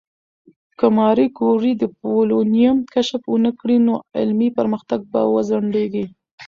که ماري کوري د پولونیم کشف ونکړي، نو علمي پرمختګ به وځنډېږي.